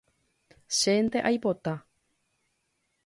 Chénte aipota